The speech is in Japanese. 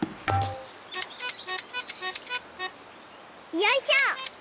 よいしょ！